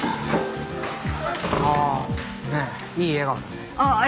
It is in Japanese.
ああねえいい笑顔だね。